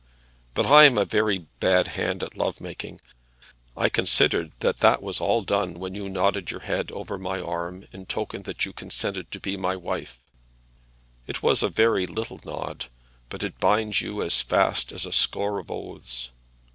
But I am a very bad hand at love making. I considered that that was all done when you nodded your head over my arm in token that you consented to be my wife. It was a very little nod, but it binds you as fast as a score of oaths.